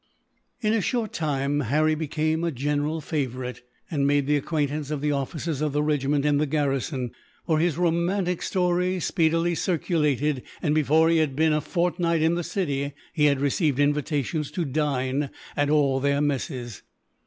In a short time Harry became a general favourite, and made the acquaintance of the officers of all the regiments in the garrison; for his romantic story speedily circulated and, before he had been a fortnight in the city, he had received invitations to dine at all their messes.